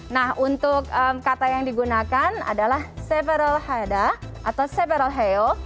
nah untuk kata yang digunakan adalah seberal haeda atau seberal heo